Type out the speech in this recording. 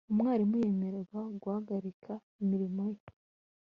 umwarimu yemererwa guhagarika imirimo ye